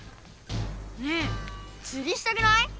ねえつりしたくない？